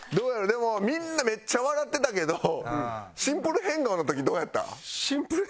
でもみんなめっちゃ笑ってたけどシンプル変顔の時どうやった？